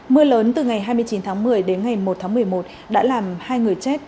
mưa lớn từ ngày hai mươi chín tháng một mươi đến ngày một tháng một mươi một đã làm hai người chết